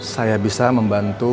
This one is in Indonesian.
saya bisa membantu